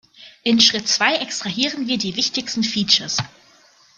In Schritt zwei extrahieren wir die wichtigsten Features.